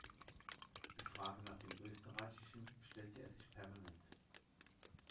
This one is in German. Die Frage nach dem Österreichischen stellte er sich permanent.